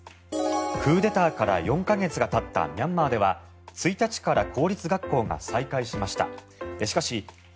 クーデターから４か月がたったミャンマーでは１日から公立学校が再開しました。